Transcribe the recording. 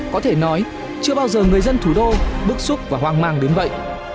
có thể nói chưa bao giờ người dân thủ đô bức xúc và hoang mang đến vậy